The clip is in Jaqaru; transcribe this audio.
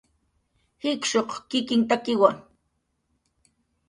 jikshuq kikinhtakiwa